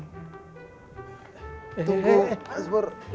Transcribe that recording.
tunggu mas pur